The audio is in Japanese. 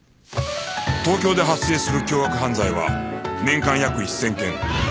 東京で発生する凶悪犯罪は年間約１０００件